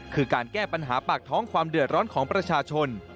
คือการแก้ปัญหาปากท้องความเดือดร้อนของประชาชน